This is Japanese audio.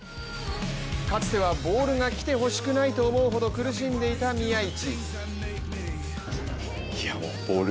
かつてはボールが来てほしくないと思うほど苦しんでいた宮市。